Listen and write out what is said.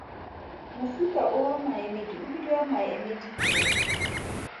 Mofuta o wa maemedi o bidiwa maemeditho.